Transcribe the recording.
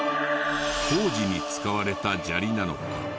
工事に使われた砂利なのか？